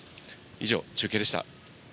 以上、中継でした。